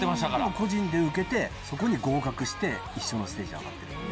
個人で受けてそこに合格して一緒のステージ上がってるんで。